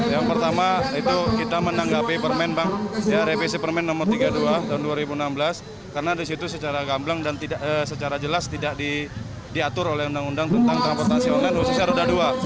yang pertama itu kita menanggapi revisi permen nomor tiga puluh dua tahun dua ribu enam belas karena disitu secara gamblang dan secara jelas tidak diatur oleh undang undang tentang transportasi online khususnya roda dua